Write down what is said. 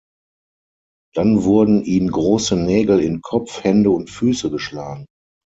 Dann wurden ihm große Nägel in Kopf, Hände und Füße geschlagen.